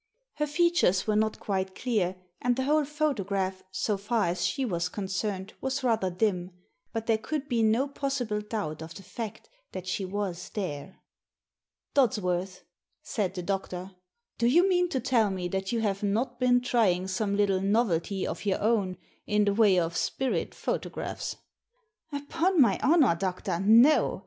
Her features were not quite clear, and the whole photograph, so far as she was concerned, was rather dim — but there could be no possible doubt of the fact that she was there. " Dodsworth," said the doctor, " do you mean to tell me that you have not been trying some little novelty of your own in the way of spirit photo graphs?" " Upon my honour, doctor, no.